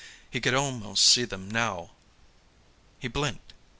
He could almost see them, now. He blinked.